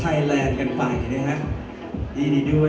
เอามินละกันแล้วเดี๋ยวไลม์มาดาฟนะ